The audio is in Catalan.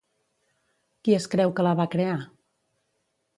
Qui es creu que la va crear?